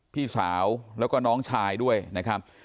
พี่สาวแล้วก็น้องชายด้วยนะครับ